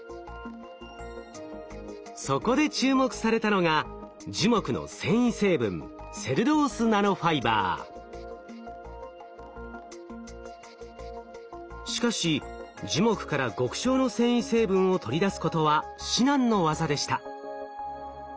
そこで注目されたのがしかし樹木から極小の繊維成分を取り出すことは至難の業でした。